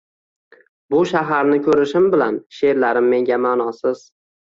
Bu shaharni ko‘rishim bilan she’rlarim menga ma’nosiz